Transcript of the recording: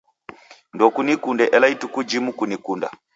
Ndekunikunde ela ituku jimu kunikunda.